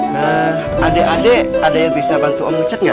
nah adik adik ada yang bisa bantu om richard nggak